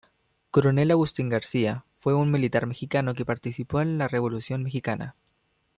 Coronel Agustín García fue un militar mexicano que participó en la Revolución mexicana.